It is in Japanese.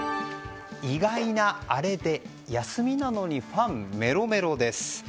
意外なあれで休みなのにファン、メロメロです。